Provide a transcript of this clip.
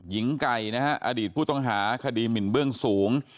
หญิงไก่นะฮะอดีตผู้ต้องหาคดีหมินเบื้องสูง